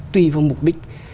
tùy vào mục đích